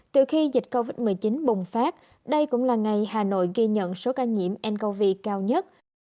từ khi dịch covid một mươi chín bùng phát đây cũng là ngày hà nội ghi nhận số ca nhiễm ncov cao nhất